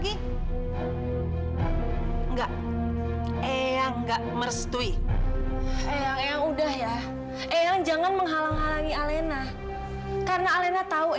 ibu ibu jangan marah marah dulu